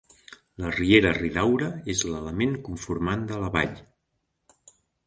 La riera Ridaura és l'element conformant de la vall.